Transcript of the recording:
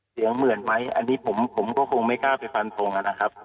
เสียงเหมือนไหมอันนี้ผมก็คงไม่กล้าไปฟันทงนะครับ